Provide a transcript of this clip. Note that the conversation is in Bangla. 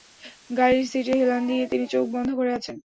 গাড়ির সীটে হেলান দিয়ে তিনি চোখ বন্ধ করে আছেন।